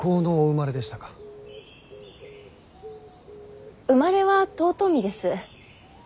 生まれは遠江です。